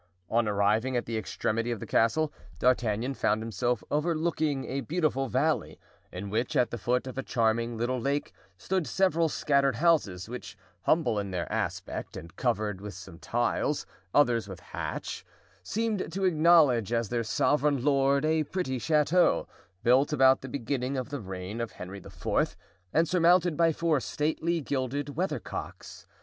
On arriving at the extremity of the castle D'Artagnan found himself overlooking a beautiful valley, in which, at the foot of a charming little lake, stood several scattered houses, which, humble in their aspect, and covered, some with tiles, others with thatch, seemed to acknowledge as their sovereign lord a pretty chateau, built about the beginning of the reign of Henry IV., and surmounted by four stately, gilded weather cocks.